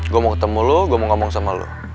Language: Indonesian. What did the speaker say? gue mau ketemu lo gue mau ngomong sama lo